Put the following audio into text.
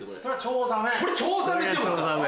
これチョウザメって読むんすか？